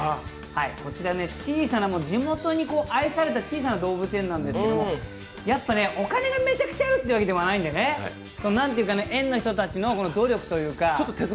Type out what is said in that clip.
こちら地元に愛された小さな動物園なんですけどお金がめちゃくちゃあるってわけでもないので、園の人たちの努力というか。